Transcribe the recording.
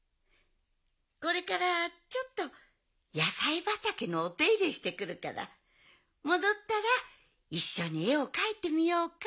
これからちょっとやさいばたけのおていれしてくるからもどったらいっしょにえをかいてみようか？